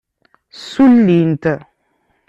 Ssullint.